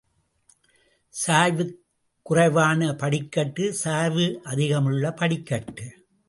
சாய்வுக் குறைவான படிக்கட்டு, சாய்வு அதிகமுள்ள படிக் கட்டு.